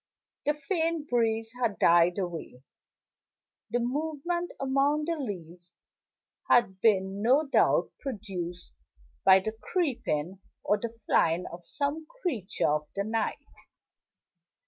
The faint breeze had died away; the movement among the leaves had been no doubt produced by the creeping or the flying of some creature of the night.